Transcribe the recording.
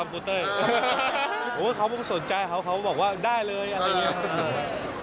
คือเค้าไม่สนใจเค้าเค้าบอกว่าได้เลยอะไรอย่างเนี้ย